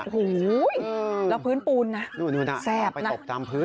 โอ้โฮแล้วพื้นปูนนะแซ่บนะนู่นเอาไปตกตามพื้น